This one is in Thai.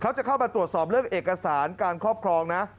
เขาจะเข้ามาตรวจสอบเรื่องเอกสารการครอบครองนะ